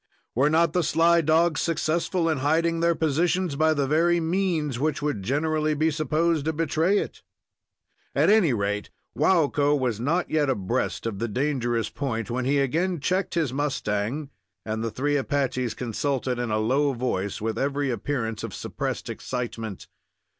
Were not the sly dogs successful in hiding their positions by the very means which would generally be supposed to betray it? At any rate, Waukko was not yet abreast of the dangerous point when he again checked his mustang, and the three Apaches consulted in a low voice and with every appearance of suppressed excitement.